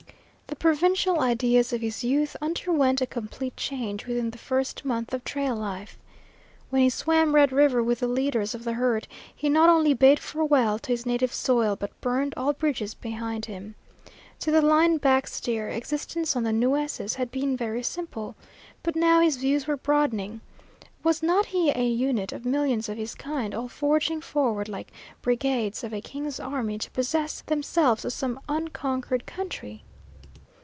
The provincial ideas of his youth underwent a complete change within the first month of trail life. When he swam Red River with the leaders of the herd, he not only bade farewell to his native soil, but burned all bridges behind him. To the line back steer, existence on the Nueces had been very simple. But now his views were broadening. Was not he a unit of millions of his kind, all forging forward like brigades of a king's army to possess themselves of some unconquered country?